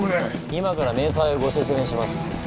今から明細をご説明します。